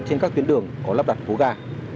trên các tuyến đường có lắp đặt hố ga